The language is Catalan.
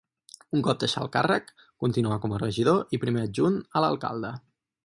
Un cop deixà el càrrec, continuà com a regidor i primer adjunt a l'alcalde.